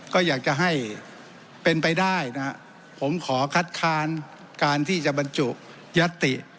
ก็อยากจะให้เป็นไปได้นะผมขอคัดค้านการที่จะบรรจุยัตติ